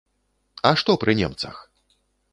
А што пры немцах?